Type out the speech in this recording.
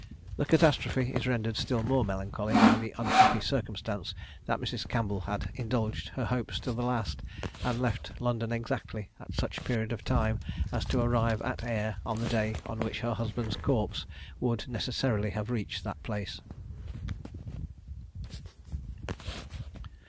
The catastrophe is rendered still more melancholy by the unhappy circumstance that Mrs. Campbell had indulged her hopes to the last, and left London exactly at such a period of time as to arrive at Ayr on the day on which her husband's corpse would necessarily have reached that place.